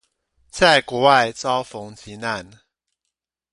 在國外遭逢急難